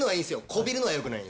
こびるのはよくない。